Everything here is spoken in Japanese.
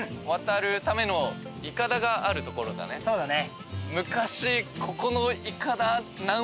そうだね。